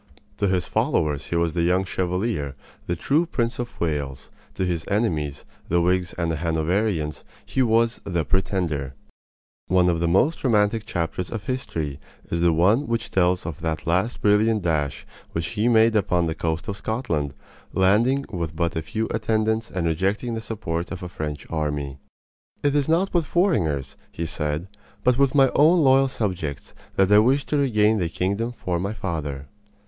To his followers he was the Young Chevalier, the true Prince of Wales; to his enemies, the Whigs and the Hanoverians, he was "the Pretender." One of the most romantic chapters of history is the one which tells of that last brilliant dash which he made upon the coast of Scotland, landing with but a few attendants and rejecting the support of a French army. "It is not with foreigners," he said, "but with my own loyal subjects, that I wish to regain the kingdom for my father."